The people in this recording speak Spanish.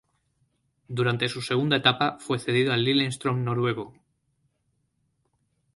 Durante su segunda etapa fue cedido al Lillestrøm noruego.